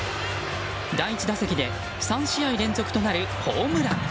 第１打席で３試合連続となるホームラン。